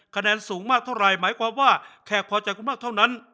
คะแนนสูงมากเท่าไรหมายความว่าแขกพอใจคุณมากเท่านั้น